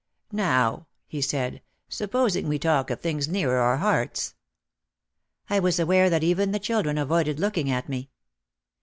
"Now," he said, "supposing we talk of things nearer our hearts." I was aware that even the children avoided looking at me.